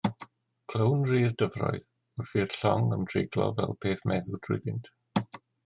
Clywn ru'r dyfroedd wrth i'r llong ymdreiglo fel peth meddw drwyddynt.